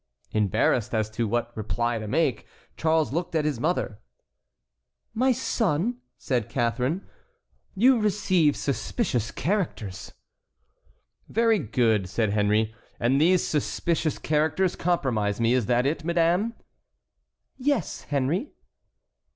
Embarrassed as to what reply to make, Charles looked at his mother. "My son," said Catharine, "you receive suspicious characters." "Very good," said Henry, "and these suspicious characters compromise me; is that it, madame?" "Yes, Henry."